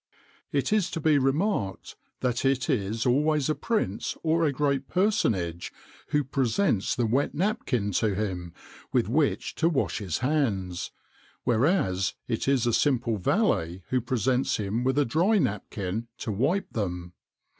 It is to be remarked, that it is always a prince or a great personage who presents the wet napkin to him with which to wash his hands, whereas it is a simple valet who presents him with the dry napkin to wipe them.